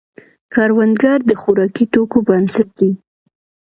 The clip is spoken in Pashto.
کروندګر د خوراکي توکو بنسټ دی